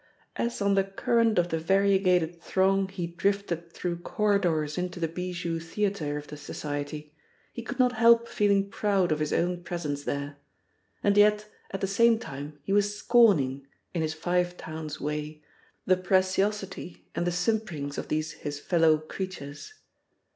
As on the current of the variegated throng he drifted through corridors into the bijou theatre of the society, he could not help feeling proud of his own presence there; and yet at the same time he was scorning, in his Five Towns way, the preciosity and the simperings of these his fellow creatures.